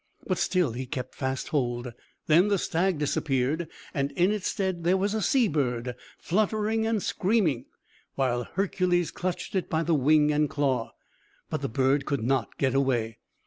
But still he kept fast hold. Then the stag disappeared, and in its stead there was a sea bird, fluttering and screaming, while Hercules clutched it by the wing and claw! But the bird could not get away.